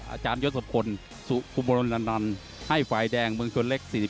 อาจารยศพลสุขุมรณันให้ฝ่ายแดงเมืองชนเล็ก๔๔